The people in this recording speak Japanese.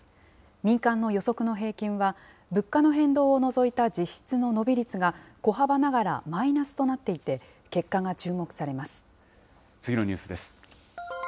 民間の予測の平均は、物価の変動を除いた実質の伸び率が小幅ながらマイナスとなってい次のニュースです。